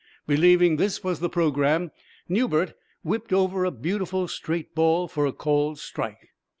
Believing this was the program, Newbert whipped over a beautiful straight ball for a called strike.